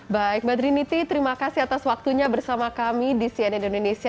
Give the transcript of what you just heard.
baik mbak trinity terima kasih atas waktunya bersama kami di cnn indonesia